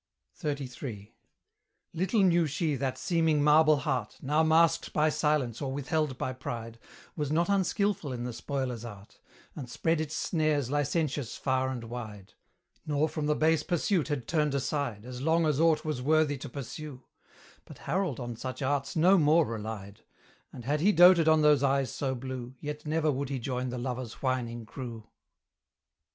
XXXIII. Little knew she that seeming marble heart, Now masked by silence or withheld by pride, Was not unskilful in the spoiler's art, And spread its snares licentious far and wide; Nor from the base pursuit had turned aside, As long as aught was worthy to pursue: But Harold on such arts no more relied; And had he doted on those eyes so blue, Yet never would he join the lover's whining crew.